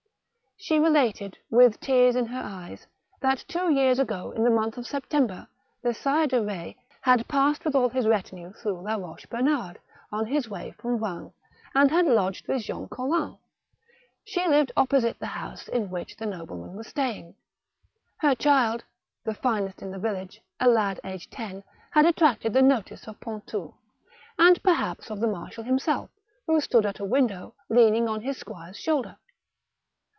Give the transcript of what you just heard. She related, with tears in her eyes, that two years ago, in the month of September, the Sire de Ketz had passed with all his retinue through la Roche Bernard, on his way from Vannes, and had lodged with Jean Collin. She lived opposite the house in which the nobleman was staying. Her child, the finest in the village, a lad aged ten, had attracted the notice of Pontou, and perhaps of the marshal himself, who stood at a window, leaning on his squire's shoulder.